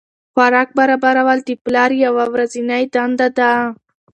خوراک برابرول د پلار یوه ورځنۍ دنده ده.